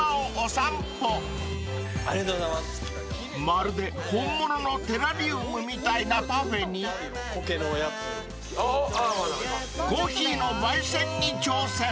［まるで本物のテラリウムみたいなパフェにコーヒーのばい煎に挑戦］